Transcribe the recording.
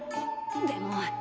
でも。